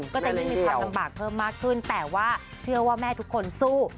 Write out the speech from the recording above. ก็จะยิ่งมีความลำบากเพิ่มมากขึ้นแต่ว่าเชื่อว่าแม่ทุกคนสู้